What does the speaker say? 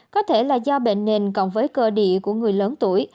có thể là do bệnh nền cộng với cơ địa của người lớn tuổi